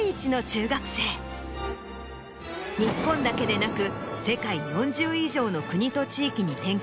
日本だけでなく。